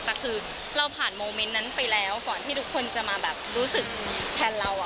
แต่คือเราผ่านโมเมนต์นั้นไปแล้วก่อนที่ทุกคนจะมาแบบรู้สึกแทนเรา